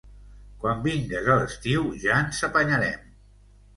Quan vingues a l'estiu ja ens apanyarem.